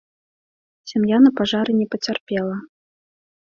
Сям'я на пажары не пацярпела.